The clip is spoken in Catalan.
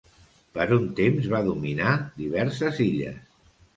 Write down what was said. Per un temps va dominar diverses illes.